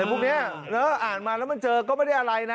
พวกนี้แล้วอ่านมาแล้วมันเจอก็ไม่ได้อะไรนะ